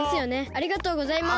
ありがとうございます。